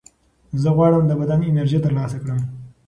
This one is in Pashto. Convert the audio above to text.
زه غواړم د بدن انرژي ترلاسه کړم.